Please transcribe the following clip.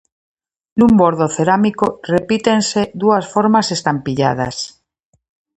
Nun bordo cerámico, repítense dúas formas estampilladas.